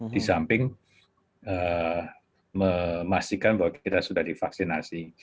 di samping memastikan bahwa kita sudah divaksinasi